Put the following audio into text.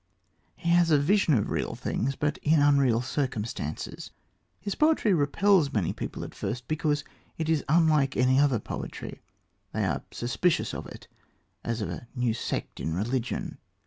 He has a vision of real things, but in unreal circumstances. His poetry repels many people at first because it is unlike any other poetry. They are suspicious of it as of a new sect in religion.